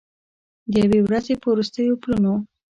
د یوې ورځې په وروستیو پلونو